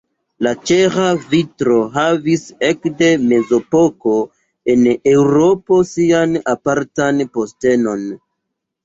La ĉeĥa vitro havis ekde mezepoko en Eŭropo sian apartan postenon.